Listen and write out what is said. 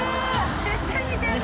めっちゃ似てる！